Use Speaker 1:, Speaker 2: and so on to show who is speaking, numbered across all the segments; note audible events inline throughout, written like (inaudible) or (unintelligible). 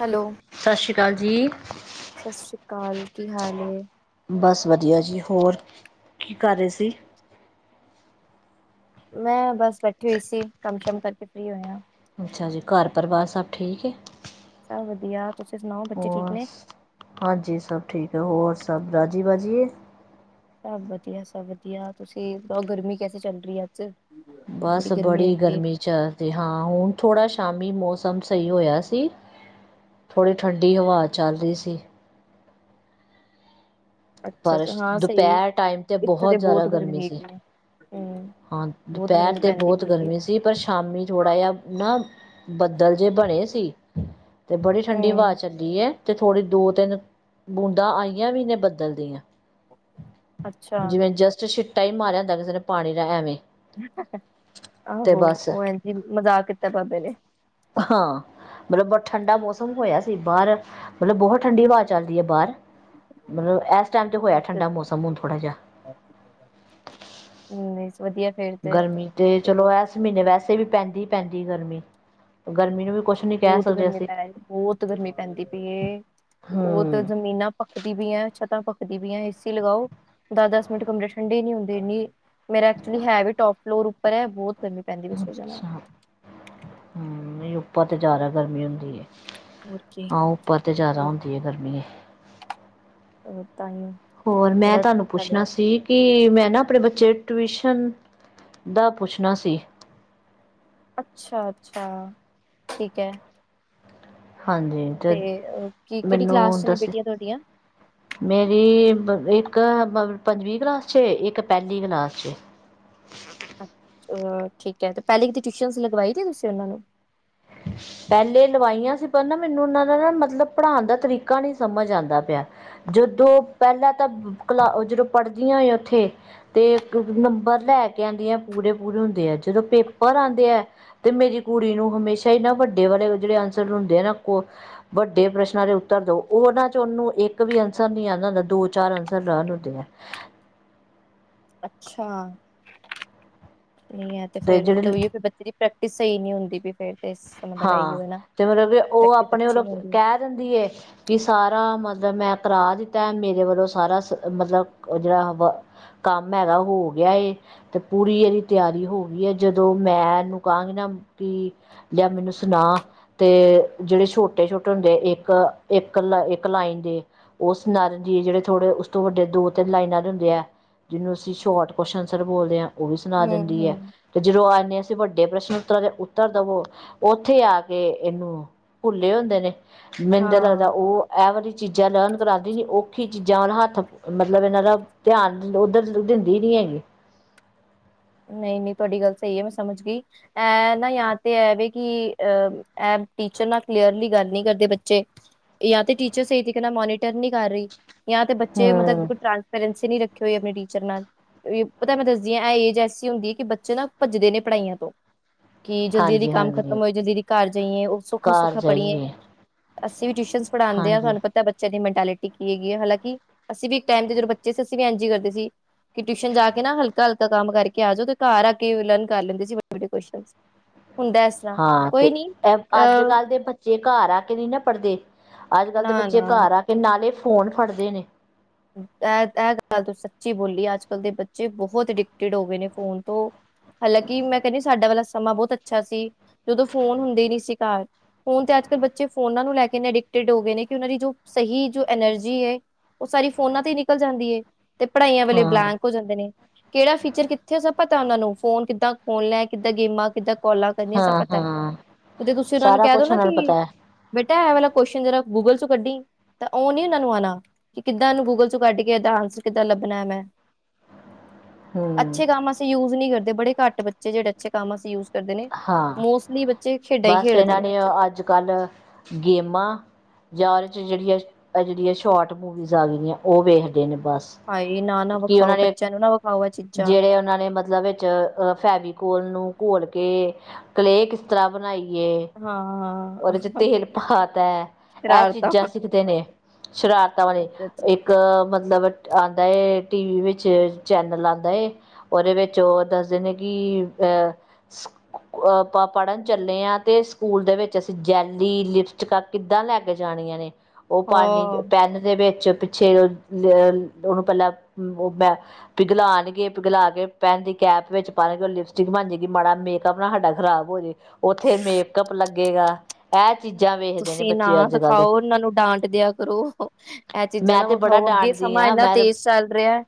Speaker 1: Hello.
Speaker 2: ਸਤਿ ਸ਼੍ਰੀ ਅਕਾਲ ਜੀ।
Speaker 1: ਸਤਿ ਸ੍ਰੀ ਅਕਾਲ, ਕੀ ਹਾਲ ਹੈ ਏ?
Speaker 2: ਬਸ ਵਧੀਆ ਜੀ, ਹੋਰ ਕੀ ਕਰ ਰਹੇ ਸੀ?
Speaker 1: ਮੈਂ ਬਸ ਬੈਠੀ ਹੋਈ ਸੀ ਕੰਮ ਸ਼ਮ ਕਰਕੇ ਫ੍ਰੀ ਹੋਇਆ।
Speaker 2: ਅੱਛਾ ਜੀ ਘਾਰ ਪਰਿਵਾਰ ਸਭ ਠੀਕ ਹੈ
Speaker 1: ਸਭ ਵਧੀਆ ਤੁਸੀਂ ਸੁਣਾਓ ਬੱਚੇ
Speaker 2: ਹੋਰ
Speaker 1: ਠੀਕ ਨੇ।
Speaker 2: ਹਾਂਜੀ ਸਭ ਠੀਕ ਹੈ, ਹੋਰ ਸਭ ਰਾਜੀ ਬਾਜੀ ਹੈ।
Speaker 1: ਸਭ ਵਧੀਆ ਸਭ ਵਧੀਆ, ਤੁਸੀਂ ਬਤਾਓ ਗਰਮੀ ਕੈਸੀ ਚੱਲ ਰਹੀ ਹੈ ਅੱਜ ਕੱਲ।
Speaker 2: ਬਸ ਬੜੀ ਗਰਮੀ ਚਲ ਦੀ, ਹਾਂ ਹੁਣ ਥੋੜਾ ਸ਼ਾਮੀ ਮੌਸਮ ਸਹੀ ਹੋਇਆ ਸੀ। ਥੋੜ੍ਹੀ ਠੰਡੀ ਹਵਾ ਚੱਲ ਰਹੀ ਸੀ।
Speaker 1: ਅੱਛਾ
Speaker 2: ਪਰ
Speaker 1: ਅੱਛਾ, ਹਾਂ ਸਹੀ,
Speaker 2: ਦੁਪਹਿਰ ਟਾਈਮ
Speaker 1: ਇੱਥੇ ਤੇ
Speaker 2: ਜ਼ਿਆਦਾ
Speaker 1: ਬਹੁਤ ਗਰਮੀ
Speaker 2: ਸੀ।
Speaker 1: ਹੂੰ।
Speaker 2: ਹਾਂ
Speaker 1: ਬਹੁਤ
Speaker 2: ਦੁਪਹਿਰ
Speaker 1: ਗਰਮੀ
Speaker 2: ਤੇ
Speaker 1: ਪੈਂਦੀ
Speaker 2: ਬਹੁਤ
Speaker 1: ਪਈ ਏ
Speaker 2: ਗਰਮੀ ਸੀ। ਸੀ, ਪਰ ਸ਼ਾਮੀ ਥੋੜਾ ਜਿਹਾ ਨਾ ਬੱਦਲ ਜਿਹੇ ਬਣੇ ਸੀ। ਤੇ ਬੜੀ ਠੰਡੀ ਹਵਾ
Speaker 1: ਹੂੰ
Speaker 2: ਚੱਲੀ ਹੈ ਤੇ ਥੋੜੀ ਦੋ ਤਿੰਨ ਬੂੰਦਾਂ ਆਈਆਂ ਵੀ ਨੇ ਬਦਲ ਦੀਆਂ।
Speaker 1: ਅੱਛਾ
Speaker 2: ਜਿਵੇਂ ਜਸਟ ਛਿੱਟਾ ਹੀ ਮਾਰਿਆ ਹੁੰਦਾ, ਕਿਸੇ ਨੇ ਪਾਣੀ ਦਾ ਐਵੇਂ। ਤੇ
Speaker 1: ਆਹੋ
Speaker 2: ਬਸ
Speaker 1: ਉਹ ਐਜੀ ਮਜ਼ਾਕ ਕੀਤਾ ਤੁਹਾਡੇ ਨੇ।
Speaker 2: ਹਾਂ। ਮਤਲਬ ਬਹੁਤ ਠੰਡਾ ਮੌਸਮ ਹੋਇਆ ਸੀ ਬਾਹਰ, ਮਤਲਬ ਬਹੁਤ ਠੰਢਡੀ ਹਵਾ ਚੱਲਦੀ ਹੈ ਬਾਹਰ। ਮਤਲਬ ਇਸ ਟਾਈਮ ਤੇ ਹੋਇਆ ਠੰਡਾ ਮੌਸਮ, ਹੁਣ ਥੋੜਾ ਜਿਹਾ।
Speaker 1: ਨਹੀ ਸੀ ਵਧੀਆ। ਫੇਰ ਤੇ
Speaker 2: ਗਰਮੀ ਤੇ ਚਲੋ
Speaker 1: ਸਗੋਂ
Speaker 2: ਇਸ ਮਹੀਨੇ ਵੈਸੇ ਵੀ ਪੈਂਦੀ ਹੀ ਪੈਂਦੀ ਗਰਮੀ, ਗਰਮੀ ਨੂੰ ਵੀ। ਕੁਛ ਨੀ ਕਹਿ
Speaker 1: ਬਹੁਤ
Speaker 2: ਸਕਦੇ
Speaker 1: ਗਰਮੀ
Speaker 2: ਅਸੀਂ
Speaker 1: ਪੈ ਰਹੀ, ਬਹੁਤ ਗਰਮੀ ਪੈਂਦੀ ਪਈ ਇਹ, ਉਹ ਤੇ
Speaker 2: ਹਮ
Speaker 1: ਜ਼ਮੀਨਾਂ। ਪਖਦੀ ਪਈ ਆ, ਛੱਤਾਂ ਪਖਦੀ ਪਈਆਂ, ਏ ਸੀ ਲਗਾਓ ਦਸ ਦਸ ਮਿੰਟ ਕਮਰੇ ਠੰਡੇ ਨੀ ਹੁੰਦੇ ਇੰਨਨੀ। ਮੇਰਾ ਐਕਚੁਲੀ ਹੈ ਵੀ ਟੋਪ ਫਲੋਰ ਉੱਪਰ ਹੈ, ਬਹੁਤ ਗਰਮੀ ਪੈਂਦੀ ਪਈ ਹੈ।
Speaker 2: ਨਹੀ ਉਪਰ ਤੇ ਜ਼ਿਆਦਾ ਗਰਮੀ ਹੁੰਦੀ ਹੈ।
Speaker 1: ਹੋਰ ਕੀ
Speaker 2: ਹਾਂ, ਉਪਰ ਤੇ ਜ਼ਿਆਦਾ ਹੁੰਦੀ ਹੈ, ਗਰਮੀ
Speaker 1: ਉਹ ਤਾਂਹੀ
Speaker 2: ਹੋਰ, ਮੈਂ ਤੁਹਾਨੂੰ ਪੁੱਛਣਾ ਸੀ। ਕਿ ਮੈਂ ਨਾ ਆਪਣੇ ਬੱਚੇ ਦੀ ਟਿਊਸ਼ਨ ਦਾ ਪੁੱਛਣਾ ਸੀ।
Speaker 1: ਅੱਛਾ, ਅੱਛਾ, ਠੀਕ ਹੈ।
Speaker 2: ਹਾਂਜੀ।
Speaker 1: ਤੇ ਕੀ ਕਿਹੜੀ ਕਲਾਸ
Speaker 2: ਮੈਨੂੰ
Speaker 1: ਚ ਨੇ
Speaker 2: ਦੱਸ
Speaker 1: ਬੇਟੀਆਂ ਤੁਹਾਡੀਆਂ।
Speaker 2: ਮੇਰੀ ਇੱਕ ਪੰ- ਪੰਜਵੀ ਕਲਾਸ 'ਚੇ ਐ, ਇੱਕ ਪਹਲੀ ਕਲਾਸ 'ਚੇ ਐ।
Speaker 1: ਅੱਛਾ ਠੀਕ ਹੈ, ਤੇ ਪਹਿਲੇ ਕਿਤੇ ਟਿਊਸ਼ਨ ਲਗਵਾਈ ਸੀ, ਤੁਸੀਂ ਉਹਨਾਂ ਨੂੰ
Speaker 2: ਅ। (unintelligible) ਪਹਿਲੇ ਲਵਾਈਆਂ ਸੀ, ਪਰ ਨਾ ਮੈਨੂੰ ਉਹਨਾਂ ਦਾ ਨਾ ਮਤਲਬ ਪੜ੍ਹਾਉਣ ਦਾ ਤਰੀਕਾ ਨਹੀਂ ਸਮਝ ਆਉਂਦਾ ਪਿਆ। ਜਦੋਂ ਪਹਿਲਾਂ ਤਾਂ ਕਲਾ ਜਦੋਂ ਪੜ੍ਹਦੀਆਂ ਹੀ ਉੱਥੇ। ਤੇ ਨੰਬਰ ਲੈ ਕੇ ਆਉਂਦੀ ਆ ਪੂਰੇ ਪੂਰੇ ਹੁੰਦੇ ਆ, ਜਦੋਂ ਪੇਪਰ ਆਉਂਦੇ ਆ ਤੇ ਮੇਰੀ ਕੁੜੀ ਨੂੰ ਹਮੇਸ਼ਾ ਹੀ ਨਾ ਵੱਡੇ ਵਾਲੇ ਜਿਹੜੇ ਆਂਸਰ ਹੁੰਦੇ ਆ ਨਾ। ਵੱਡੇ ਪ੍ਰਸ਼ਨਾਂ ਦੇ ਉੱਤਰ ਦੋ, ਉਹਨਾਂ ਚ ਉਹਨੂੰ ਇੱਕ ਵੀ ਆਂਸਰ ਨੀ ਆਉਂਦਾ ਹੁੰਦਾ, ਦੋ ਚਾਰ ਆਂਸਰ ਨਾਲ ਨੂੰਦੇ ਆ।
Speaker 1: ਅੱਛਾ ਨਹੀਂ ਹੈ ਤੇ ਫੇਰ ਮਤਲਬ ਤੇ ਫੇਰ ਬੱਚੇ। ਜਿਹੜੀ ਪ੍ਰੈਕਟਿਸ ਸਹੀ ਨ ਨਹੀਂ ਹੁੰਦੀ ਫੇਰ। ਤੇ ਮਤਲਬ
Speaker 2: ਹਾਂ,
Speaker 1: ਇਹੀਓ ਹੈ ਨਾ
Speaker 2: ਤੇ ਮਤਲਬ ਕਿ ਉਹ
Speaker 1: ਪ੍ਰੈਕਟਿਸ
Speaker 2: ਆਪਣੇ
Speaker 1: ਅੱਛੀ
Speaker 2: ਵਲੋਂ
Speaker 1: ਨੀ ਹੋ ਰਹੀ
Speaker 2: ਤਇਆਰ ਰਹਿੰਦੀ ਹੈ। ਕਿ ਸਾਰਾ ਮਤਲਬ ਮੈਂ ਕਰਾ ਦਿੱਤਾ, ਮੇਰੇ ਵੱਲੋਂ ਸਾਰਾ ਮਤਲਬ ਜਿਹੜਾ ਵ। ਕੰਮ ਹੈਗਾ, ਹੋ ਗਿਆ ਹੈ। ਤੇ ਪੂਰੀ ਇਹਦੀ ਤਿਆਰੀ ਹੋ ਗਈ ਹੈ, ਜਦੋਂ ਮੈਂ ਇਹਨੂੰ ਕਹਾਂਗੀ ਨਾ ਕਿ। ਲਿਆ, ਮੈਨੂੰ ਸੁਣਾ ਤੇ ਜਿਹੜੇ ਛੋਟੇ-ਛੋਟੇ ਹੁੰਦੇ, ਇੱਕ-ਇੱਕ ਲ ਇੱਕ ਲਾਈਨ ਦੇ ਉਸ ਨਾਲ ਜ ਜਿਹੜੇ ਥੋੜੇ ਉਸ ਤੋਂ ਵੱਡੇ, ਦੋ-ਤਿੰਨ ਲਾਈਨਾਂ ਦੇ ਹੁੰਦੇ ਆ। ਜਿਹਨੂੰ ਅਸੀ ਸ਼ੋਰਟ ਕਵਸ਼ਨ ਆਂਸਰ ਬੋਲਦੇ ਆਂ ਉਹ ਵੀ ਸੁਣਾ
Speaker 1: ਹੂੰ
Speaker 2: ਦਿੰਦੀ ਹੈ,
Speaker 1: ਹੂੰ
Speaker 2: ਤੇ ਜਦੋਂ ਆਨੇ, ਅਸੀਂ ਵੱਡੇ ਪ੍ਰਸ਼ਨ-ਉੱਤਰਾਂ ਦੇ ਉੱਤਰ ਦੇਵੋ। ਉੱਥੇ ਆ ਕੇ ਇਹਨੂੰ ਭੁੱਲੇ ਹੁੰਦੇ ਨੇ ਮੈਨੂੰ
Speaker 1: ਹਾਂ
Speaker 2: ਲੱਗਦਾ
Speaker 1: ਹਾਂ
Speaker 2: ਉਹ ਇਹ ਵਾਰੀ ਚੀਜ਼ਾਂ ਲਰਨ ਕਰਾਉਂਦੀ ਨਹੀਂ ਔਖੀ ਚੀਜ਼ਾਂ ਵਾਲ ਹੱਥ ਮਤਲਬ ਇਹਨਾਂ ਦਾ ਧਿਆਨ ਉੱਧਰ ਦਿੰਦੀ ਨੀ ਹੈਗੀ।
Speaker 1: ਨਹੀਂ, ਨਹੀਂ, ਤੁਹਾਡੀ ਗੱਲ ਸਹੀ ਹੈ। ਮੈਂ ਸਮਝ ਗਈ। ਇਹ ਨਾ ਯਾ ਤੇ ਐਵੇ ਕਿ ਅ ਇਹ ਟੀਚਰ ਨਾਲ ਕਲੀਅਰਲੀ ਗੱਲ ਨਹੀਂ ਕਰਦੇ ਬੱਚੇ ਜਾਂ ਤੇ ਟੀਚਰ ਸਹੀ ਤਰੀਕੇ ਨਾਲ ਮੋਨੀਟਰ ਨਹੀਂ ਕਰ ਰਹੀ। ਜਾਂ ਤੇ ਬੱਚੇ ਮਤਲਬ
Speaker 2: ਹੂੰ
Speaker 1: ਬੁਲ ਟਰਾਂਸਪੇਰੈਂਸੀ ਨੀ ਰੱਖੇ ਹੋਏ। ਆਪਣੇ ਟੀਚਰ ਨਾਲ ਪਤਾ ਮੈਂ ਦੱਸਦੀ ਹਾਂ- ਇਹ ਏਜ ਹੁੰਦੀ ਹੈ ਕਿ ਬੱਚੇ ਨਾ ਭੱਜਦੇ ਨੇ ਪੜ੍ਹਾਈਆਂ ਤੋਂ ਕਿ ਜਲਦੀ ਜਲਦੀ
Speaker 2: ਹਾਂਜੀ
Speaker 1: ਕੰਮ ਖਤਮ
Speaker 2: ਹਾਂਜੀ
Speaker 1: ਹੋਏ। ਜਲਦੀ ਇਹਦੀ ਘਰ ਜਾਈਏ ਉਹ ਸੁੌੱਖਾ-
Speaker 2: ਘਰ
Speaker 1: ਸੁੱਖਾ ਪੜ੍ਹੀਏ
Speaker 2: ਜਾਈਏ
Speaker 1: ਅਸੀਂ ਵੀ ਟਿਊਸ਼ਨ ਪੜ੍ਹਾਉਂਦੇ ਹਾਂ
Speaker 2: ਹਾਂਜੀ
Speaker 1: ਤੁਹਾਨੂੰ ਪਤਾ ਬੱਚਿਆਂ ਦੀ ਮੈਂਟਲਿਟੀ ਕੀ ਹੈਗੀ ਹੈ। ਹਾਲਾਂਕਿ, ਅਸੀਂ ਵੀ ਇੱਕ ਟਾਈਮ ਤੇ ਜਦੋਂ ਬੱਚੇ ਸੀ ਅਸੀਂ ਵੀ ਐ ਜ ਕਰਦੇ ਸੀ। ਕਿ ਟਿਊਸ਼ਨ ਜਾ ਕੇ ਨਾ ਹਲਕਾ ਮ-ਹਲਕਾ ਕੰਮ ਕਰਕੇ ਆ ਜਾਓ ਤੇ ਘਰ ਆ ਕੇ ਲਰਨ ਕਰ ਲੈਂਦੇ ਸੀੇ। ਵਡੇ ਕੁ ਹੁਣਦਾ
Speaker 2: ਹਾ, ਤੇ ਅੱਜ ਕੱਲ ਦੇ ਬੱਚੇ ਬੱਚੇ ਘਰ ਆ ਕੇ ਨਹੀਂ ਨਾ ਪੜ੍ਹਦੇ, ਅੱਜ ਕੱਲ੍ਹ ਦੇ
Speaker 1: ਨਾ
Speaker 2: ਬੱਚੇ
Speaker 1: ਨਾ
Speaker 2: ਘਰ ਆ ਕੇ ਨਾਲੇ ਫੋਨ ਫੜਦੇ ਨੇ।
Speaker 1: ਐਹ, ਐਹ ਗੱਲ ਸੱਚੀ ਬੋਲੀ, ਅੱਜ ਕੱਲ੍ਹ ਦੇ ਬੱਚੇ ਬਹੁਤ ਅਡਿਕਟਿਡ ਹੋ ਗਏ ਨੇ ਫੋਨ ਤੋਂ। ਹਾਲਾਂਕਿ, ਮੈਂ ਕਹਿੰਦੀ ਸਾਡਾ ਵਾਲਾ ਸਮਾਂ ਬਹੁਤ ਅੱਛਾ ਸੀ। ਜਦੋਂ ਫੋਨ ਹੁੰਦੇ ਹੀ ਨਹੀਂ ਸੀ ਘਰ। ਫੋਨ ਤੇ ਅੱਜ-ਕੱਲ ਬੱਚੇ ਫੋਨਾ ਨੂੰ ਲੈ ਕੇ ਅਡਿਕਟਡ ਹੋ ਗਏ ਨੇ ਕਿ ਉਹਨਾਂ ਦੀ ਜੋ ਸਹੀ ਜੋ ਐਨਰਜੀ ਐ- ਉਹ ਸਾਰੀ ਫੋਨਾਂ ਤੇ ਹੀ ਨਿਕਲ ਜਾਂਦੀ ਏ ਤੇ ਪੜ੍ਹਾਈਆਂ ਵੇਲੇ
Speaker 2: ਹਾਂ
Speaker 1: ਬਲੈਂਕ ਜਾਂਦੇ ਨੇ, ਕਿਹੜਾ ਫੀਚਰ ਕਿੱਥੇ ਸਭ ਪਤਾ, ਉਹਨਾ ਨੂੰ ਫੋਨ ਕਿੱਦਾਂ ਖੋਲਣੈ, ਕਿੱਦਾਂ ਗੇਮਾਂ, ਕਿੱਦਾਂ ਕੋਲਾਂ ਕਰਨ ਹ ਸ
Speaker 2: ਹਾਂ
Speaker 1: ਪਤਾ ਐ।
Speaker 2: ਹਾਂ
Speaker 1: ਕਤੇ ਤੁਸੀਂ ਉਹਨਾਂ ਨੂੰ
Speaker 2: ਸਾਰਾ
Speaker 1: ਕਹਿ ਦੋ
Speaker 2: ਕੁਛ
Speaker 1: ਨਾ
Speaker 2: ਉਹਨਾਂ
Speaker 1: ਕਿ
Speaker 2: ਨੂੰ ਪਤਾ ਹੈ
Speaker 1: ਬੇਟਾ, ਐ ਵਾਲਾ ਕੁਸ਼ਨ ਜਰਾ ਗੂਗਲ ਚੋਂ ਕੱਢੀ, ਤਾਂ ਉਹ ਨੀ ਉਹਨਾਂ ਨੂੰ ਆਉਣਾ। ਤੁਹਾਨੂੰ ਗੂਗਲ ਚੋਂ ਕੱਢ ਕੇ ਏਦਾਂ ਆਂਸਰ ਕਿੱਦਾਂ ਲੱਭਣਾ ਹੈ ਮੈਂ
Speaker 2: ਹੂੰ
Speaker 1: ਅੱਛੇ ਕੰਮ ਇਹ ਯੂਜ ਨਹੀਂ ਕਰਦੇ ਬੜੇ ਘੱਟ ਬੱਚੇ ਜਿਹੜੇ ਅੱਛੇ ਕੰਮ ਵਾਸਤੇ ਯੂਜ। ਕਰਦੇ ਨੇ
Speaker 2: ਹਾਂ
Speaker 1: ਮੋਸਟਲੀ ਬੱਚੇ ਖੇਡਾਂ ਹੀ
Speaker 2: ਬਸ
Speaker 1: ਖੇਡਦੇ
Speaker 2: ਇਹਨਾਂ
Speaker 1: ਇਹਦੇ
Speaker 2: ਨੇ
Speaker 1: ਵਿੱਚ।
Speaker 2: ਅੱਜ ਕੱਲ੍ਹ। ਗੇਮਾਂ। ਯਾਰ 'ਚ ਜਿਹੜੀਆਂ ਇਹ ਜਿਹੜੀਆਂ ਸ਼ੋਰਟ ਮੂਵੀਜ਼ ਆ ਰਹੀਆਂ ਉਹ ਵੇਖਦੇ ਨੇ ਬਸ।
Speaker 1: ਹਾਏ ਨਾ ਨਾ
Speaker 2: ਕਿ
Speaker 1: ਵਿਖਾਓ
Speaker 2: ਉਹਨਾਂ ਨੇ
Speaker 1: ਬੱਚਿਆਂ ਨੂੰ ਨਾ ਵਿਖਾਓ ਇਹ ਚੀਜ਼ਾਂ
Speaker 2: ਜਿਹੜੇ ਉਹਨਾਂ ਨੇ ਮਤਲਬ ਵਿੱਚ। ਅ ਫੈਵੀਕੋਲ ਨੂੰ ਘੋਲ ਕੇ ਕਲੇਅ ਕਿਸ ਤਰ੍ਹਾਂ ਬਣਾਈਏ।
Speaker 1: ਹਾਂ
Speaker 2: ਉਹਦੇ 'ਚ ਤੇਲ ਪਾ ਤਾਂ ਇਹ
Speaker 1: ਸ਼ਰਾਰਤਾਂ
Speaker 2: ਚੀਜ਼ਾਂ ਸਿੱਖਦੇ ਨੇ। ਸ਼ਰਾਰਤਾਂ ਵਾਲੀ ਇਹ।
Speaker 1: ਅੱਛਾ ਅੱਛਾ,
Speaker 2: ਇੱਕ ਮਤਲਬ ਆਉਂਦਾ ਏ ਟੀਵੀ ਵਿੱਚ ਚੈਨਲ ਆਉਂਦਾ ਏ। ਉਹਦੇ ਵਿੱਚ ਉਹ ਦੱਸਦੇ ਨੇ ਕਿ ਅਹ ਅ ਪ ਪੜ੍ਹਨ ਚੱਲੇ ਹਾਂ, ਤੇ ਸਕੂਲ ਦੇ ਵਿੱਚ ਅਸੀਂ ਜੈਲੀ ਲਿਪਸਟਿਕ ਕਿੱਦਾਂ ਲੈ ਕੇ ਜਾਣੀਆਂ ਨੇ ਉਹ ਪਾਣੀ
Speaker 1: ਹਾਂ
Speaker 2: ਪੈਨ ਦੇ ਵਿੱਚ ਛੇ ਉਹਨੂੰ ਪਹਿਲਾਂ ਉਹ ਮੈਂ ਪਿਘਲਾਣਗੇ, ਪਿਘਲਾ ਕੇ ਪੈਨ ਦੀ ਕੈਪ ਵਿੱਚ ਪਾਲਣਗੇ। ਉਹ ਲਿਪਸਟਿਕ ਬਣ ਜੈਗੀ। ਮਾੜਾ ਮੇਕਅੱਪ ਨਾ ਸਾਡਾ ਖ਼ਰਾਬ ਹੋ ਜੇ। ਉੱਥੇ ਮੇਕਅੱਪ ਲੱਗੇਗਾ। ਇਹ ਚੀਜ਼ਾਂ ਵੇਖਦੇ ਨੇ
Speaker 1: ਤੁਸੀਂ ਨਾ
Speaker 2: ਬੱਚੇ ਅੱਜ ਕੱਲ੍ਹ ਦੇ
Speaker 1: ਦਿਖਾਓ, ਉਹਨਾਂ ਨੂੰ ਡਾਂਟ ਦਿਆ ਕਰੋ। ਇਹ ਚੀਜ਼ਾਂ
Speaker 2: ਮੈਂ
Speaker 1: ਨਾ
Speaker 2: ਤੇ ਬੜਾ
Speaker 1: ਵਿਖਾਓ, ਅੱਗੇ
Speaker 2: ਡਾਂਟਦੀ
Speaker 1: ਸਮਾਂ
Speaker 2: ਹਾਂ
Speaker 1: ਇੰਨਾ
Speaker 2: ਮੈਂ
Speaker 1: ਤੇਜ਼ ਚੱਲ ਰਿਹਾ।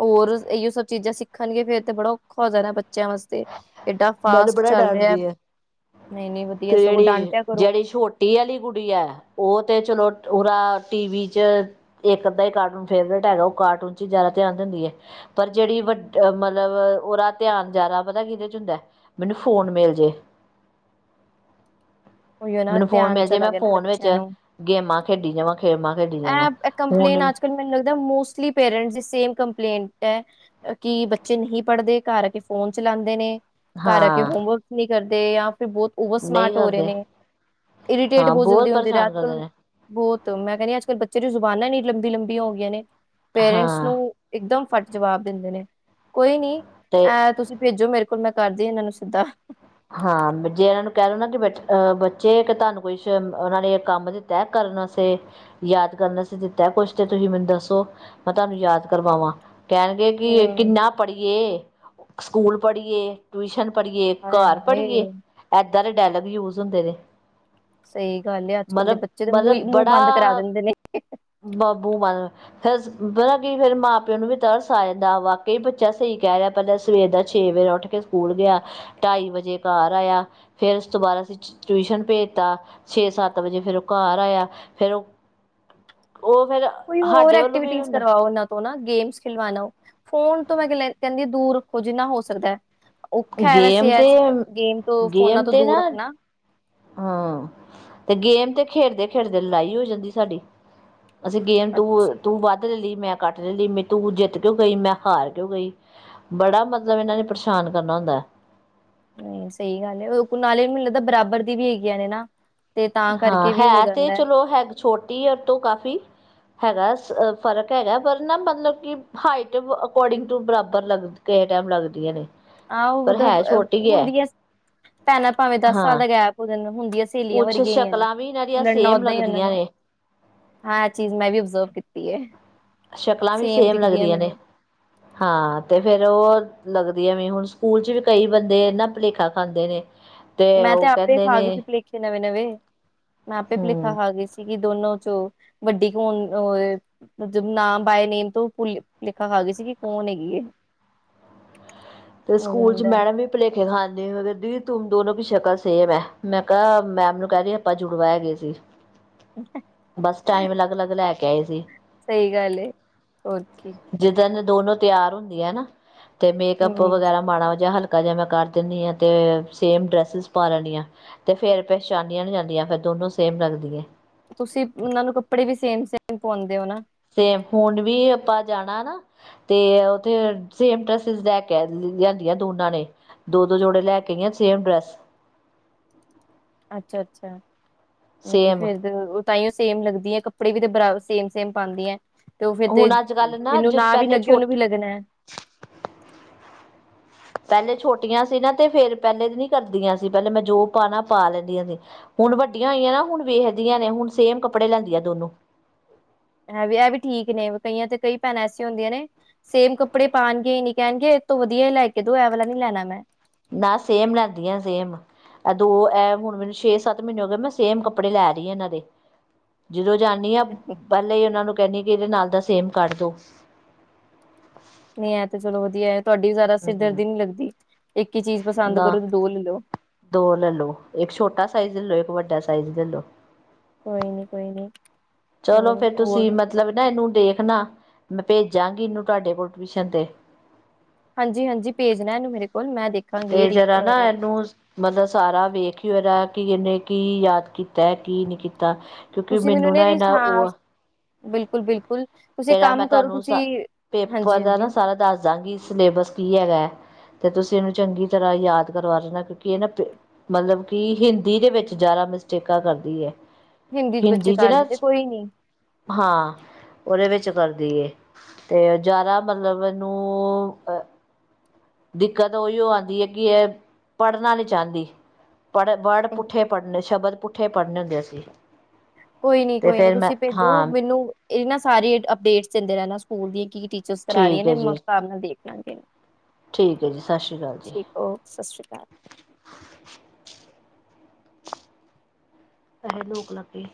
Speaker 1: ਹੋਰ ਇਓ ਸਭ ਚੀਜ਼ਾਂ ਸਿੱਖਣਗੇ ਫੇਰ ਤੇ ਬੜਾ ਔਖਾ ਹੋ ਜਾਣਾ ਬੱਚਿਆਂ ਵਾਸਤੇ। ਏਡਾ
Speaker 2: ਮੈਂ ਤੇ
Speaker 1: ਫਾਸਟ
Speaker 2: ਬੜਾ
Speaker 1: ਚੱਲ ਰਿਹਾ
Speaker 2: ਡਾਂਟਦੀ ਹਾਂ
Speaker 1: ਨਹੀਂ, ਨਹੀਂ, ਵਧੀਆ ਸਗੋਂ ਡਾਂਟਿਆ ਕਰੋ।
Speaker 2: ਟੀ ਵਾਲੀ ਕੁੜੀ ਹੈ, ਉਹ ਤੇ ਚਲੋ ਉਦਾ ਟੀਵੀ ਚ ਇੱਕ ਅੱਧ ਹੀ ਕਾਰਟੂਨ ਫੇਵਰੇਟ ਹੈਗਾ। ਉਹ ਕਾਰਟੂਨ ਚ ਹੀ ਜ਼ਿਆਦਾ ਧਿਆਨ ਦਿੰਦੀ ਐ। ਪਰ ਜਿਹੜੀ ਵੱ ਮਤਲਬ, ਉਹਦਾ ਧਿਆਨ ਜ਼ਿਆਦਾ ਪਤਾ ਕਿਹਦੇ ਚ ਹੁੰਦਾ‌। ਮੈਨੂੰ ਫੋਨ ਮਿਲਜੇ।
Speaker 1: ਉਹੀਓ ਨਾ
Speaker 2: ਮੈਨੂੰ ਫੋਨ
Speaker 1: ਧਿਆਨ
Speaker 2: ਮਿਲ ਜੇ
Speaker 1: ਚਲਾ
Speaker 2: ਮੈਂ
Speaker 1: ਗਿਆ ਨਾ
Speaker 2: ਫੋਨ ਵਿੱਚ
Speaker 1: ਬੱਚਿਆਂ ਨੂੰ।
Speaker 2: ਗੇਮਾਂ ਖੇਡੀ ਜਾਵਾਂ ਗੇਮਾਂ ਖੇਡੀ ਜਾਵਾਂ
Speaker 1: ਇਹ
Speaker 2: ਫੋਨ ਦੇ
Speaker 1: ਕੰਪਲੇਨ
Speaker 2: ਵਿੱਚ।
Speaker 1: ਅੱਜ ਕੱਲ ਮੈਨੂੰ ਲੱਗਦਾ ਮੋਸਟਲੀ ਪੇਰੈਂਟਸ ਦੀ ਸੇਮ ਕੰਪਲੇਂਟ ਹੈ। ਕਿ ਬੱਚੇ ਨਹੀਂ ਪੜ੍ਹਦੇ ਘਰ ਆ ਕੇ ਫੋਨ ਚਲਾਉਂਦੇ ਨੇ। ਘਰ ਆ ਕੇ
Speaker 2: ਹਾਂ
Speaker 1: ਹੋਮਵਰਕ ਨਹੀਂ ਕਰਦੇ ਜਾਂ ਫਿਰ ਬਹੁਤ ਓਵਰ
Speaker 2: ਨਹੀਂ
Speaker 1: ਸਮਾਰਟ ਹੋ ਰਹੇ
Speaker 2: ਕਰਦੇ
Speaker 1: ਨੇ। ਇਰੀਟੇਟ
Speaker 2: ਹਾਂ
Speaker 1: ਬਹੁਤ ਜਲਦੀ ਹੁੰਦੀ ਰਿਹਾ
Speaker 2: ਪਰੇਸ਼ਾਨ
Speaker 1: ਅੱਜ
Speaker 2: ਕਰਦੇ
Speaker 1: ਕੱਲ੍ਹ।
Speaker 2: ਨੇ
Speaker 1: ਬਹੁਤ ਮੈਂ ਕਹਿੰਦੀ ਅੱਜ ਕੱਲ੍ਹ ਬੱਚੇ ਦੀ ਜ਼ੁਬਾਨਾਂ ਇੰਨੀ ਲੰਬੀ ਲੰਬੀਆਂ ਹੋ ਗਈਆਂ ਨੇ ਪੇਰੈਂਟਸ
Speaker 2: ਹਾਂ
Speaker 1: ਨੂੰ। ਇਕਦਮ ਫੱਟ ਜਵਾਬ ਦਿੰਦੇ ਨੇ ਕੋਈ ਨੀ
Speaker 2: ਅਤੇ
Speaker 1: ਇਹ ਤੁਸੀਂ ਭੇਜੋ ਮੇਰੇ ਕੋਲ਼। ਫਿਰ ਮੈਂ ਕਰਦੀ ਇਹਨਾਂ ਨੂੰ ਸਿੱਧਾ।
Speaker 2: ਹਾਂ ਜੇ ਇਹਨਾਂ ਨੂੰ ਕਹਿ ਲਓ ਨਾ ਕਿ ਬ ਅਹ ਬੱਚੇ ਕਿ ਤੁਹਾਨੂੰ ਕੁਛ ਉਹਨਾਂ ਨੇ ਕੰਮ ਦਿੱਤਾ। ਤੈਅ ਕਰਨਾ ਸੀ। ਯਾਦ ਕਰਨਾ ਸੀ ਦਿੱਤਾ ਕੁਛ ਤੇ ਤੁਸੀਂ ਮੈਨੂੰ ਦੱਸੋ ਮੈਂ ਤੁਹਾਨੂੰ ਯਾਦ ਕਰਵਾਵਾਂ। ਕਹਿਣਗੇ ਕਿ
Speaker 1: ਹੂੰ
Speaker 2: ਕਿੰਨਾ ਪੜ੍ਹੀਏ, ਸਕੂਲ ਪੜ੍ਹੀ ਟਿਊਸ਼ਨ ਪੜ੍ਹੀਏ।
Speaker 1: ਹਾਏ
Speaker 2: ਘਰ
Speaker 1: ਹਾਏ
Speaker 2: ਪੜ੍ਹੀਏ ਏਦਾਂ ਦੇ ਡਾਇਲੌਗ ਯੂਜ ਹੁੰਦੇ ਨੇ।
Speaker 1: ਸਹੀ ਗੱਲ ਹੈ। ਅੱਜ ਕੱਲ ਦੇ
Speaker 2: ਮਤਲਬ
Speaker 1: ਬੱਚੇ ਤਾਂ ਮੂੰਹ ਮੂੰਹ ਬੰਦ ਕਰਾ ਦਿੰਦੇ ਨੇ।
Speaker 2: ਬੱਬੂ ਮਾਨ। ਫਿਰ ਪਤਾ ਕੀ ਫੇਰ ਮਾਂ ਪਿਓ ਨੂੰ ਵੀ ਤਰਸ ਆ ਜਾਂਦਾ ਵਾਕਈ ਬੱਚਾ ਸਹੀ ਕਹਿ ਰਿਹਾ ਪਹਿਲਾਂ ਸਵੇਰ ਦਾ ਛੇ ਵਜੇ ਉੱਠ। ਉੱਠ ਕੇ ਸਕੂਲ ਗਿਆ ਢਾਈ ਵਜੇ ਘਰ ਆਇਆ ਫੇਰ ਉਸ ਤੋਂ ਬਾਅਦ ਅਸੀਂ ਟਿਊਸ਼ਨ ਭੇਜ ਤਾਂ। ਛੇ ਸੱਤ ਵਜੇ ਫੇਰ ਉਹ ਘਰ ਆਇਆ ਫੇਰ ਉਹ ਉਹ ਫੇਰ।
Speaker 1: ਕੋਈ ਹੋਰ ਐਕਟੀਵਿਟੀਜੀ ਕਰਵਾਓ ਉਹਨਾਂ ਨੂੰ। ਹਨਾ ਗੇਮ ਖਿਲਵਾਲੋ ਫੋਨ ਤੋਂ ਮੈਂ ਕਹਿੰਦੀ ਦੂਰ ਰੱਖੋ ਜਿੰਨਾ ਹੋ ਸਕਦਾ ਹੈ। ਔਖਾ ਵੈਸੇ
Speaker 2: ਗੇਮ ਤੇ
Speaker 1: ਇਸ ਗੇਮ ਤੋਂ ਫੋਨਾਂ
Speaker 2: ਗੇਮ
Speaker 1: ਤੋਂ
Speaker 2: ਤੇ
Speaker 1: ਦੂਰ
Speaker 2: ਨਾ
Speaker 1: ਰੱਖਣਾ ਹੈ।
Speaker 2: ਹਾਂ ਤੇ ਗੇਮ ਤੇ ਖੇਡਦੇ ਖੇਡਦੇ ਲੜਾਈ ਹੋ ਜਾਂਦੀ ਸਾਡੀ। ਅਸੀਂ ਗੇਮ ਤੂੰ -ਤੂੰ ਵੱਧ ਲੈ ਲਈ, ਮੈਂ ਕੱਟ ਲੈ ਲਈ, ਮੈਂ ਤੂੰ ਜਿੱਤ ਕਿਉਂ ਗਈ, ਮੈਂ ਹਾਰ ਕਿਉਂ ਗਈ। ਬੜਾ ਮਤਲਬ, ਇਹਨਾਂ ਨੇ ਪਰੇਸ਼ਾਨ ਕਰਨਾ ਹੁੰਦਾ ਹੈ।
Speaker 1: ਹੂੰ ਸਹੀ ਗੱਲ ਹੈ। ਉਹ ਨਾਲ਼ੇ ਮੈਨੂੰ ਲੱਗਦਾ ਬਰਾਬਰ, ਦੀ ਵੀ ਹੈਗੀਆਂ ਨੇ ਨਾ। ਤੇ ਤਾਂ
Speaker 2: ਹਾਂ
Speaker 1: ਕਰਕੇ ਵੀ ਹੋ
Speaker 2: ਹੈ ਤੇ
Speaker 1: ਜਾਂਦਾ
Speaker 2: ਚਲੋ ਹੈ, ਛੋਟੀ ਤੋਂ ਕਾਫ਼ੀ, ਹੈਗਾ, ਫ਼ਰਕ ਹੈਗਾ ਪਰ ਨਾ ਮਤਲਬ ਕਿ, ਹਾਈਟ ਅਕੋਰਡਿੰਗ ਟੂ, ਬਰਾਬਰ ਲਗ ਕਿਸੇ ਟਾਈਮ ਲੱਗਦੀਆਂ ਨੇ,
Speaker 1: ਆਹ ਉਹ
Speaker 2: ਪਰ
Speaker 1: ਮਤਲਬ
Speaker 2: ਹੈ ਛੋਟੀ
Speaker 1: ਹੁੰਦੀ ਹੈ, ਭੈਣਾਂ ਭਾਵੇਂ ਦਸ ਸਾਲ
Speaker 2: ਹਾਂ
Speaker 1: ਦਾ ਗੈਪ, ਉਹ ਦੇ ਹੁੰਦੀ ਹੈ। ਸਹੇਲੀਆਂ
Speaker 2: ਕੁਛ
Speaker 1: ਵਰਗੀਆਂ ਹੀਈਆਂ ਨੇ,
Speaker 2: ਸ਼ਕਲਾਂ ਵੀ ਇਹਨਾਂ ਦੀਆਂ
Speaker 1: ਲੜਨਾ
Speaker 2: ਸੇਮ
Speaker 1: ਓਦਾਂ ਹੀ ਉਹਨਾਂ ਨੇ,
Speaker 2: ਲੱਗਦੀਆਂ
Speaker 1: ਹਾਂ, ਇਹ ਚੀਜ਼ ਮੈਂ ਵੀ ਓਬਜ਼ਰਵ, ਕੀਤੀ ਏ
Speaker 2: ਸ਼ਕਲਾਂ ਵੀ ਸੇਮ ਲੱਗਦੀਆਂ ਨੇ, ਹਾਂ ਤੇ, ਫੇਰ ਉਹ ਲੱਗਦੀ ਐ, ਵੀ ਹੁਣ ਸਕੂਲ ਚ ਵੀ ਕਈ ਬੰਦੇ ਇਹਨਾ ਭੁਲੇਖਾ ਖਾਂਦੇ ਨੇ, (unintelligible) (inaudible)
Speaker 1: ਮੈਂ ਤੇ, ਆਪੇ
Speaker 2: ਕਹਿੰਦੇ
Speaker 1: ਖਾ ਗਈ ਸੀ
Speaker 2: ਨੇ
Speaker 1: ਭੁਲੇਖੇ ਨਵੇਂ -ਨਵੇਂ ਮੈਂ ਆਪੇ ਭੁਲੇਖਾ
Speaker 2: ਹੂੰ
Speaker 1: ਖਾ ਗਈ ਸੀ। ਸੀਗੀ ਦੋਨੋ ਚੋਂ ਵੱਡੀ ਕੌਣ? ਮੈਂ ਜਬ ਨਾਮ, ਬਾਏ ਨੇਮ ਤੋਂ ਪੁਲੇਖਾ ਖਾ, ਗਈ ਸੀ। ਕਿ ਕੌਣ ਹੈਗੀ ਏ
Speaker 2: ਤੇ ਸਕੂਲ, 'ਚ
Speaker 1: ਜਾਂਦਾ
Speaker 2: ਮੈਡਮ ਵੀ। ਭੁਲੇਖੇ ਖਾਂਦੇ ਹੋਏ ਕਹਿੰਦੀ ਦੀਦੀ, ਤੂੰ ਦੋਨੋ ਦੀ ਸ਼ਕਲ ਸੇਮ ਹੈ ਮੈਂ ਕਿਹਾ ਮੈਮ ਨੂੰ ਕਹਿ ਰਹੀ ਆਪਾਂ ਜੁੜਵਾ ਹੈ ਗਏ ਸੀ। ਹੂੰ। (inaudible) ਬਸ ਟਾਈਮ ਅਲੱਗ -ਅਲੱਗ ਲੈ ਕੇ ਆਏ ਸੀ।
Speaker 1: ਸਹੀ ਗੱਲ ਏ ਹੋਰ ਕੀ
Speaker 2: ਜਿੱਦਣ, ਇਹ ਦੋਨੋ ਤਿਆਰ ਹੁੰਦੀ ਆ ਨਾ, ਤੇ ਮੇਕਅੱਪ
Speaker 1: ਹਮ
Speaker 2: ਵਗੈਰਾ, ਮਾੜਾ ਜਾਂ ਹਲਕਾ। ਕਦੇ ਮੈਂ ਕਰ ਦਿੰਨੀ ਆ, ਤੇ ਸੇਮ ਡਰੈਸਿਸ ਪਾ ਲੈਣੀਆਂ ਤੇ ਫੇਰ, ਪਹਿਚਾਨਣੀਆ ਨਹੀਂ ਜਾਂਦੀਆਂ ਫ਼ਿਰ ਦੋਨੋਂ, ਸੇਮ ਲੱਗਦੀਆਂ ਹੈ।
Speaker 1: ਤੁਸੀਂ ਉਹਨਾਂ ਨੂੰ, ਕੱਪੜੇ ਵੀ ਸੇਮ- ਸੇਮ ਪਾਵਾਉਂਦੇ ਹੋ ਨਾ।
Speaker 2: ਤੇ ਹੁਣ ਵੀ, ਆਪਾਂ ਜਾਣਾ ਨਾ। ਤੇ ਉੱਥੇ, ਸੇਮ ਡਰੈਸਿਸ ਲੈ ਕੇ ਲਿਆਂਦੀਆਂ, ਦੋਨਾਂ ਨੇ। ਦੋ -ਦੋ ਜੋੜੇ ਲੈ ਕੇ ਗਈਆਂ ਸੇਮ ਡਰੈੱਸ।
Speaker 1: ਅੱਛਾ -ਅੱਛਾ ਏਨੀ
Speaker 2: ਸੇਮ
Speaker 1: ਫੇਰ ਤੇ ਤਾਂ ਹੀ ਉਹ ਸੇਮ ਲੱਗਦੀ ਹੈ, ਕੱਪੜੇ ਵੀ ਤੇ ਬਰਾ ਸੇਮ- ਸੇਮ ਪਾਦੀਆ। ਤੇ ਉਹ ਫੇਰ, ਤੇ
Speaker 2: ਹੁਣ ਅੱਜ ਕੱਲ ਨਾ
Speaker 1: ਜਿਹਨੂੰ
Speaker 2: ਜ
Speaker 1: ਨਾਂ ਵੀ
Speaker 2: ਪਹਿਲੇ
Speaker 1: ਲੱਗੇ, ਉਹਨੂੰ ਵੀ
Speaker 2: ਛੋਟੇ
Speaker 1: ਲੱਗਣਾ ਹੈ।
Speaker 2: (unintelligible) (unintelligible) ਪਹਿਲੇ ਛੋਟੀਆਂ ਸੀ, ਨਾ ਤੇ ਫੇਰ ਪਹਿਲੇ ਨੀ ਕਰਦੀਆਂ ਸੀ, ਪਹਿਲੇ ਮੈਂ ਜੋ ਪਾਣਾ ਪਾ ਲੈਂਦੀਆਂ ਸੀ। ਹੁਣ ਵੱਡੀਆਂ ਹੋਈਆਂ ਨਾ, ਹੁਣ ਵੇਖਦੀਆਂ ਨੇ, ਹੁਣ ਸੇਮ ਕੱਪੜੇ ਲੈਂਦੀਆਂ ਦੋਨੋ।
Speaker 1: ਹੈ ਵੀ, ਇਹ ਵੀ ਠੀਕ ਨੇ, ਕਈਆਂ ਤੇ ਕਈ ਭੈਣਾਂ ਐਸੀਆਂ ਹੁੰਦੀਆਂ ਨੇ, ਸੇਮ ਕੱਪੜੇ, ਪਾਉਣਗੇ, ਹੀ ਨਈ, ਕਹਿਣਗੇ ਇਹ ਤੋਂ ਵਧੀਆ ਇਨ ਲੇ ਕੇ ਦੋ, ਐ ਵਾਲਾ ਨੀ ਲੈਣਾ ਮੈਂ
Speaker 2: ਨਾ, ਸੇਮ ਲੈਂਦੀਆਂ ਸੇਮ, ਦੋ ਇਹ ਹੁਣ ਮੈਨੂੰ, ਛੇ -ਸੱਤ ਮਹੀਨੇ ਹੋ ਗਏ, ਮੈਂ ਸੇਮ ਕੱਪੜੇ ਲੈ ਰਹੀ ਆ ਇਹਨਾਂ ਦੇ ਜਦੋਂ ਜਾਂਦੀ ਆਾਂ, ਪਹਿਲੇ ਹੀ ਉਹਨਾ ਨੂੰ ਕਹਿੰਦੀ, ਕਿ ਇਹਦੇ ਨਾਲ ਦਾ ਸੇਮ ਕੱਢ ਦੋ
Speaker 1: ਨਹੀਂ ਇਹ ਤੇ ਚਲੋ, ਵਧੀਆ ਤੁਹਾਡੀ ਵੀ ਜ਼ਿਆਦਾ ਸਿਰ
Speaker 2: ਹੂੰ
Speaker 1: ਦਰਦੀ ਨਹੀਂ ਲਗਦੀ, ਇੱਕ ਹੀ ਚੀਜ਼ ਪਸੰਦ
Speaker 2: ਨਾ
Speaker 1: ਕਰੋ ਤੇ ਦੋ ਲੈ ਲਓ
Speaker 2: ਦੋ ਲੈ ਲੋ, ਇੱਕ ਛੋਟਾ ਸਾਈਜ਼, ਲੈ ਲੋ ਇੱਕ ਵੱਡਾ ਸਾਈਜ਼ ਲੈ ਲੋ
Speaker 1: ਕੋਈ ਨੀ, ਕੋਈ ਨੀ,
Speaker 2: ਚਲੋ
Speaker 1: ਹੋਰ
Speaker 2: ਫੇਰ
Speaker 1: -ਹੋਰ
Speaker 2: ਤੁਸੀਂ ਮਤਲਬ ਨਾ ਇਹਨੂੰ ਦੇਖਣਾ, ਮੈਂ ਭੇਜਾਂਗੀ, ਇਹਨੂੰ ਤੁਹਾਡੇ ਕੋਲ ਟਿਊਸ਼ਨ ਤੇ
Speaker 1: ਹਾਂਜੀ-ਹਾਂਜੀ ਭੇਜਣਾ ਇਹਨੂੰ ਮੇਰੇ ਕੋਲ, ਮੈਂ ਦੇਖ
Speaker 2: ਤੇ ਜਰਾ, ਨਾ ਇਹਨੂੰ ਮਤਲਬ ਸਾਰਾ ਵੇਖ ਹੀ ਹੋਏ, ਦਾ ਕਿ ਇਹਨੇ ਕੀ ਯਾਦ ਕੀਤਾ, ਕੀ ਨਹੀਂ ਕੀਤਾ। ਕਿਉਂਕਿ, ਮੈਨੂੰ ਨਾ ਇਹ ਨਾ ਉਹ ਆ
Speaker 1: ਬਿਲਕੁਲ-ਬਿਲਕੁਲ,
Speaker 2: ਇਹਦਾ ਮੈਂ ਤੁਹਾਨੂੰ ਪੇਪਰ ਦਾ
Speaker 1: ਹਾਂਜੀ
Speaker 2: ਨਾ ਸਾਰਾ ਦੱਸ ਦਾਂਗੀ, ਸਿਲੇਬਸ ਕੀ ਹੈਗਾ ਤੇ ਤੁਸੀਂ ਇਹਨੂੰ, ਚੰਗੀ ਤਰ੍ਹਾਂ ਯਾਦ ਕਰਵਾ ਰਣਾ ਕਿਉਂਕਿ ਇਹ ਨਾ ਮਤਲਬ, ਕਿ, ਹਿੰਦੀ ਦੇ ਵਿੱਚ ਜ਼ਿਆਦਾ ਮਿਸਟੇਕਾਂ ਕਰਦੀ ਹੈ।
Speaker 1: ਬੱਚੇ
Speaker 2: ਹਿੰਦੀ ਚ
Speaker 1: ਕਰ
Speaker 2: ਨਾ,
Speaker 1: ਦਿੰਦੇ ਕੋਈ ਨੀ
Speaker 2: ਹਾਂ ਉਹਦੇ ਵਿੱਚ ਕਰਦੀਏ ਤੇ ਜ਼ਿਆਦਾ ਮਤਲਬ ਇਹਨੂੰ ਦਿੱਕਤ ਉਈਓ ਆਂਦੀ ਏ, ਕਿ ਇਹ ਪੜ੍ਹਨਾ ਨਈਂ ਚਾਹੰਦੀ ਪੜ੍ਹ ਬੜ ਪੁੱਠੇ ਪੜ੍ਹੇ ਸ਼ਬਦ ਪੁੱਠੇ ਪੜਨੇ ਹੁੰਦੇ ਸੀਂ।
Speaker 1: ਕੋਈ ਨੀਂ, ਕੋਈ ਨੀਂ, ਤੁਸੀਂ ਭੇਜੋ
Speaker 2: ਹਾਂ
Speaker 1: ਮੈਨੂੰ ਇਹ ਨਾ ਸਾਰੇ ਅਪਡੇਟਸ ਦਿੰਦੇ ਰਹਿਣਾ ਸਕੂਲ ਦੀ ਕਿ (unintelligible) ਆ ਰਹੀਆਂ
Speaker 2: ਠੀਕ ਹੈ
Speaker 1: ਨੇਂ ਮ
Speaker 2: ਜੀ
Speaker 1: ਕੰਮ ਨੂੰ ਦੇਖ ਲਾਂਗੇ। (unintelligible)
Speaker 2: ਠੀਕ ਐ ਜੀ, ਸਤਿ ਸ਼੍ਰੀ ਅਕਾਲ ਜੀ।
Speaker 1: ਓ ਸਤਿ ਸ਼੍ਰੀ ਅਕਾਲ।
Speaker 2: ਪੈਸੇ ਲੋਕ ਲੱਗੇ।